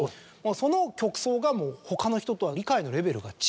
その曲想が他の人とは理解のレベルが違うと。